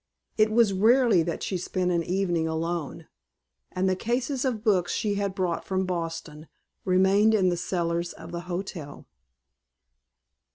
It was rarely that she spent an evening alone, and the cases of books she had brought from Boston remained in the cellars of the Hotel.